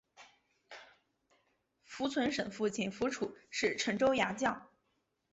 符存审父亲符楚是陈州牙将。